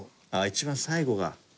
一番最後が。